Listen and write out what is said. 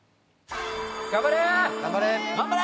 頑張れ！